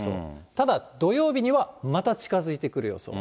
ただ、土曜日にはまた近づいてくる予想。